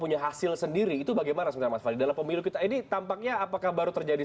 punya hasil sendiri itu bagaimana sebenarnya mas fadli dalam pemilu kita ini tampaknya apakah baru terjadi